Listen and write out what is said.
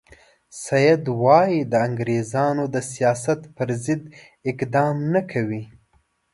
سید وایي د انګریزانو د سیاست پر ضد اقدام نه کوي.